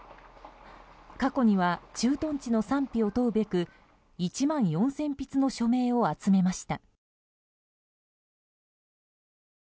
過去には駐屯地の賛否を問うべく１万４０００筆の署名を集めました。